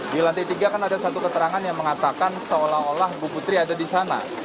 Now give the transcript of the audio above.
di lantai tiga kan ada satu keterangan yang mengatakan seolah olah bu putri ada di sana